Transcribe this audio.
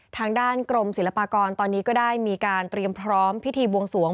ทางด้านกรมศิลปากรตอนนี้ก็ได้มีการเตรียมพร้อมพิธีบวงสวง